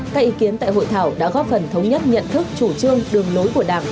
các ý kiến tại hội thảo đã góp phần thống nhất nhận thức chủ trương đường lối của đảng